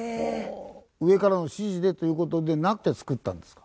上からの指示でという事でなくて作ったんですか？